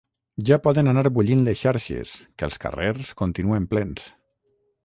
Ja poden anar bullint les xarxes, que els carrers continuen plens.